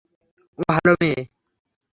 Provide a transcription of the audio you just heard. ও ভালো মেয়ে।